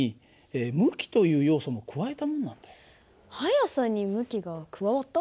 「速さ」に「向き」が加わった？